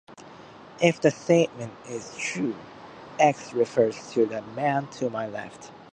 If the statement is true, "x" refers to the man to my left.